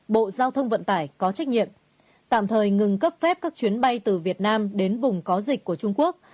bộ giao thông vận tải có trách nhiệm tạm thời ngừng cấp phép các chuyến bay từ việt nam đến vùng có dịch của trung quốc